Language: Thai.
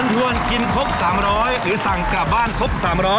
ควรกินครบ๓๐๐หรือสั่งกลับบ้านครบ๓๐๐